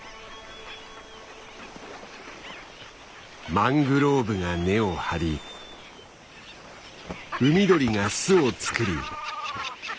マングローブが根を張り海鳥が巣を作り。